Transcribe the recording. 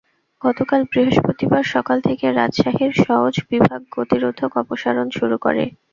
গতকাল বৃহস্পতিবার সকাল থেকে রাজশাহীর সওজ বিভাগ গতিরোধক অপসারণ শুরু করে।